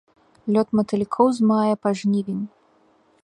Лёт матылькоў з мая па жнівень.